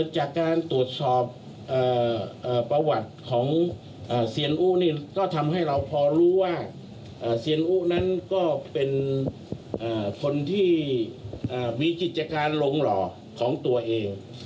จากการตรวจสอบประวัติของเซียนอุนี่ก็ทำให้เราพอรู้ว่าเซียนอุนั้นก็เป็นคนที่มีกิจการลงหล่อของตัวเอง